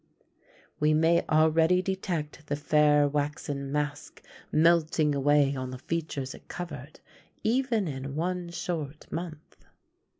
" We may already detect the fair waxen mask melting away on the features it covered, even in one short month!